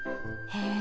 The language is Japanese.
へえ。